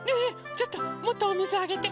ちょっともっとおみずあげて。